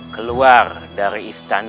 keluar dari istana ini